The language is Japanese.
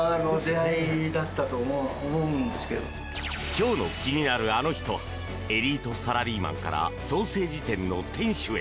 今日の気になるアノ人はエリートサラリーマンからソーセージ店の店主へ！